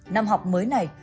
năm học mới này